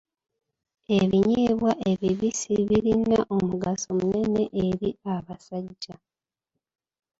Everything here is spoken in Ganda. Ebinyeebwa ebibisi birina omugaso munene eri abasajja.